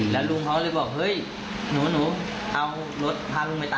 แล้วก็ดักปลาหินใส่น้องชายพาลุงสอนไป